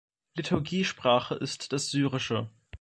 Liturgiesprache ist das Syrische.